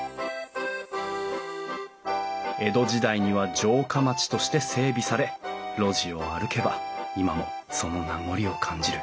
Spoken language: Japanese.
江戸時代には城下町として整備され路地を歩けば今もその名残を感じる。